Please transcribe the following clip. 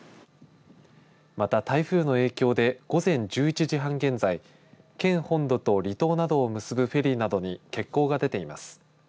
また、台風の影響で午前１１時半現在県本土と離島などを結ぶフェリーなどに欠航が出ています。